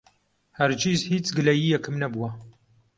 هەرگیز هیچ گلەیییەکم نەبووە.